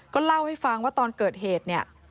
ก็เล่าให้ฟังว่าตอนเกิดเหตุเนี่ย